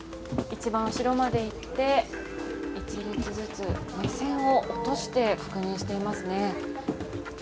一番後まで行って１列ずつ目線を落として確認していますね。